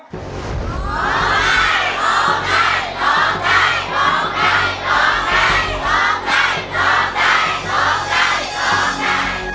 โอเคโอเคโอเคโอเคโอเคโอเคโอเค